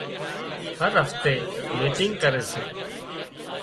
هر هفتي ميٽنگ ڪري سي